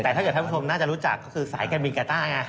แต่ถ้าเกิดท่านผู้ชมน่าจะรู้จักก็คือสายการบินกาต้าไง